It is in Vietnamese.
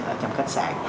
ở trong khách sạn